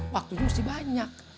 waktunya mesti banyak